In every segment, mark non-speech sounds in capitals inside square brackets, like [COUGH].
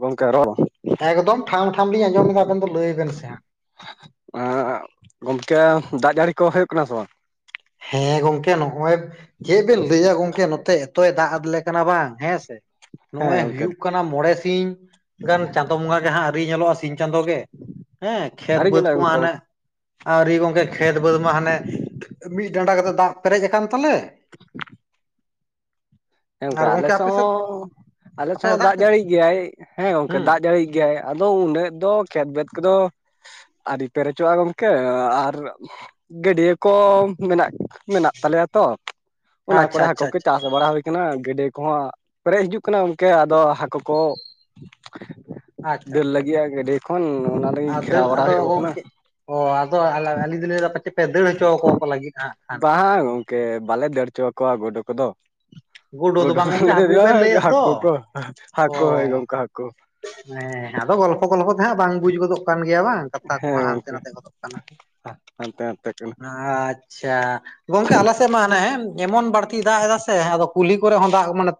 ᱜᱚᱝᱠᱮ ᱨᱚᱲ ᱮᱠᱫᱚᱢ ᱴᱷᱟᱢ ᱴᱷᱟᱢ ᱞᱤᱧ ᱟᱸᱡᱚᱢ ᱫᱟ ᱟᱵᱮᱱ ᱫᱚ ᱞᱟᱹᱭ ᱵᱮᱱ ᱥᱮ ᱦᱟᱸᱜ᱾ ᱮᱸᱜ ᱜᱚᱢᱠᱮ ᱫᱟᱜ ᱡᱟᱹᱲᱤ ᱠᱚ ᱦᱩᱭᱩᱜ ᱠᱟᱱᱟ ᱥᱮ ᱵᱟᱝ? ᱦᱮᱸ ᱜᱚᱝᱠᱮ ᱱᱚᱜᱼᱚᱭ ᱪᱮᱫ ᱵᱤᱱ ᱞᱮᱭᱟ ᱜᱚᱝᱠᱮ ᱱᱚᱛᱮ ᱮᱛᱚᱭ ᱫᱟᱜ ᱟᱞᱮ ᱠᱟᱱᱟ ᱵᱟᱝ ᱦᱮᱸᱥᱮ ᱦᱮᱸ ᱱᱚᱜᱼᱚᱭ ᱜᱚᱝᱠᱮ ᱦᱩᱭᱩᱜ ᱠᱟᱱᱟ ᱢᱚᱬᱮ ᱥᱤᱧ ᱜᱟᱱ ᱪᱟᱸᱫᱳ ᱵᱚᱸᱜᱟ ᱜᱮ ᱦᱟᱸᱜ ᱟᱹᱣᱨᱤ ᱧᱮᱞᱚᱜᱼᱟ ᱥᱤᱧ ᱪᱟᱸᱫᱳ ᱜᱮ᱾ ᱦᱮᱸ ᱠᱷᱮᱛ ᱟᱹᱣᱨᱤ ᱵᱟᱹᱫ ᱧᱮᱞᱚᱜᱼᱟ ᱠᱚᱢᱟ ᱜᱚᱝᱠᱮ ᱦᱟᱱᱮ ᱟᱹᱣᱨᱤ ᱜᱚᱝᱠᱮ ᱠᱷᱮᱛ ᱵᱟᱹᱫ ᱢᱟ ᱦᱟᱸᱱᱮ ᱢᱤᱫ ᱰᱟᱸᱰᱟ ᱠᱟᱛᱮᱜ ᱫᱟᱜ ᱯᱮᱨᱮᱡ ᱠᱟᱱ ᱛᱟᱞᱮ, ᱦᱮᱸ ᱜᱚᱝᱠᱮ ᱟᱞᱮ ᱥᱮᱫ ᱦᱚᱸ ᱟᱞᱮ ᱥᱮᱫ ᱦᱚᱸ ᱫᱟᱜ ᱡᱟᱹᱲᱤᱭᱮᱫ ᱜᱮᱭᱟᱭ ᱦᱮᱸ ᱜᱚᱝᱠᱮ ᱦᱩᱸ ᱫᱟᱜ ᱡᱟᱹᱲᱤᱭᱮᱫ ᱜᱮᱭᱟᱭ, ᱟᱫᱚ ᱩᱱᱟᱹᱜ ᱫᱚ ᱠᱷᱮᱛ ᱵᱟᱹᱫ ᱠᱚᱫᱚ ᱟᱹᱣᱨᱤ ᱯᱮᱨᱮᱪᱚᱜᱼᱟ ᱜᱚᱢᱠᱮ ᱟᱨ ᱜᱟᱹᱰᱭᱟᱹ ᱠᱚ ᱢᱮᱱᱟᱜ ᱢᱮᱱᱟᱜ ᱛᱟᱞᱮᱭᱟ ᱛᱚ ᱚᱱᱟ ᱟᱪᱪᱷᱟ ᱠᱚᱨᱮ ᱦᱟᱹᱠᱳ ᱟᱪᱪᱷᱟ ᱠᱚ ᱟᱪᱪᱷᱟ ᱪᱟᱥ ᱵᱟᱲᱟ ᱦᱩᱭ ᱠᱟᱱᱟ ᱜᱟᱹᱰᱭᱟᱹ ᱠᱚᱦᱚᱸ ᱯᱮᱨᱮᱡ ᱦᱤᱡᱩᱜ ᱠᱟᱱᱟ ᱜᱚᱝᱠᱮ ᱟᱫᱚ ᱦᱟᱹᱠᱳ ᱠᱚ ᱟᱪᱪᱷᱟ ᱫᱟᱹᱲ ᱟᱪᱪᱷᱟ ᱞᱟᱹᱜᱤᱜᱼᱟ ᱜᱟᱹᱰᱭᱟᱹ ᱠᱷᱚᱱ ᱚᱱᱟ ᱞᱟᱹᱜᱤᱫ ᱟᱫᱚ ᱜᱷᱮᱨᱟᱣ ᱵᱟᱲᱟᱭ ᱟᱫᱚ ᱦᱩᱭᱩᱜ ᱠᱟᱱᱟ᱾ ᱜᱚᱝᱠᱮ ᱚ ᱟᱫᱚ ᱟᱹᱞᱤᱧ ᱫᱚᱞᱤᱧ ᱞᱟᱹᱭ ᱫᱟ ᱯᱟᱪᱮᱫ ᱯᱮ ᱫᱟᱹᱲ ᱦᱚᱪᱚ ᱟᱠᱚ ᱞᱟᱹᱜᱤᱫ ᱦᱟᱹᱜ ᱠᱷᱟᱱ᱾ ᱦᱟᱸ ᱜᱚᱝ ᱠᱮ ᱵᱟᱞᱮ ᱫᱟᱹᱲ ᱦᱚᱪᱚ ᱠᱚᱣᱟ ᱜᱳᱰᱳ ᱠᱚᱫᱚ᱾ ᱜᱩᱰᱩ ᱫᱚ ᱜᱳᱰᱳ ᱵᱟᱝ ᱜᱚᱝᱠᱮ ᱦᱟᱹᱠᱩ ᱵᱮᱱ [UNINTELLIGIBLE] ᱞᱟᱹᱭᱮᱫ ᱦᱟᱠᱳ ᱫᱚ ᱠᱚ ᱚ ᱦᱟᱠᱳ ᱦᱳᱭ ᱜᱚᱝᱠᱮ ᱦᱟᱠᱳ᱾ ᱦᱮᱸ ᱟᱫᱚ ᱜᱚᱞᱯᱷᱚ ᱜᱚᱞᱯᱷᱚ ᱛᱮ ᱦᱟᱸᱜ ᱵᱟᱝ ᱵᱩᱡ ᱜᱚᱫᱚᱜ ᱠᱟᱱ ᱜᱮᱭᱟ ᱵᱟᱝ ᱠᱟᱛᱷᱟ ᱠᱚᱦᱚᱸ ᱦᱮᱸ ᱦᱟᱱᱛᱮ ᱜᱚᱝᱠᱮ ᱱᱟᱛᱮ ᱜᱚᱫᱚᱜ ᱠᱟᱱᱟ, ᱦᱟᱱᱛᱮ ᱱᱟᱛᱮ ᱠᱟᱱᱟ ᱟᱪ ᱪᱷᱟ ᱜᱚᱝᱠᱮ ᱟᱞ ᱥᱮᱫ ᱢᱟ ᱦᱟᱱᱮ ᱮᱢᱚᱱ ᱵᱟᱲ ᱠᱤ ᱫᱟᱜ ᱮᱫᱟ ᱥᱮ ᱟᱫᱚ ᱠᱩᱞᱦᱤ ᱠᱚᱨᱮ ᱦᱚᱸ ᱫᱟᱜ ᱢᱟᱱᱮ